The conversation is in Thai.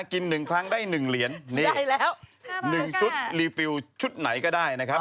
กินหนึ่งครั้งได้หนึ่งเหรียญได้แล้วหนึ่งชุดรีฟิลชุดไหนก็ได้นะครับ